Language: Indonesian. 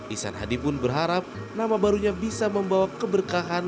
ihsan hadi pun berharap nama barunya bisa membawa keberkahan